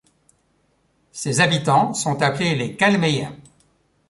Ses habitants sont appelés les Calmeillens.